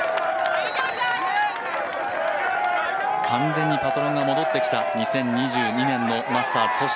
完全にパトロンが戻ってきた、２０２２年のマスターズ。